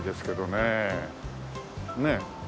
ねえ。